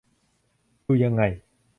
ดูยังไง